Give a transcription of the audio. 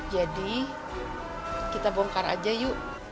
jadi kita bongkar saja yuk